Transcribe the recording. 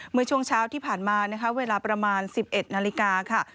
เมื่อช่วงเช้าที่ผ่านมานะคะเวลาประมาณ๑๑นาฬิกาค่ะ